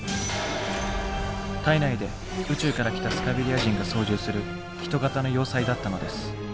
体内で宇宙から来たスカベリア人が操縦する人型の要塞だったのです。